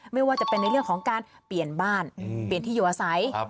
ไม่ว่าจะเป็นในเรื่องของการเปลี่ยนบ้านเปลี่ยนที่อยู่อาศัย